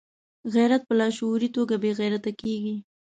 غیرت په لاشعوري توګه بې غیرته کېږي.